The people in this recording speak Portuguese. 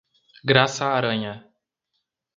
Graça Aranha